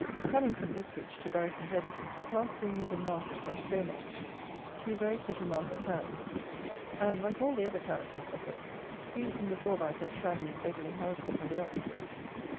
Coming from Ipswich to Bury St. Edmund's, you pass through Needham market and Stowmarket, two very pretty market towns; and, like all the other towns in Suffolk, free from the drawback of shabby and beggarly houses on the outskirts.